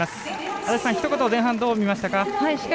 安達さん、ひと言前半、どう見ましたか。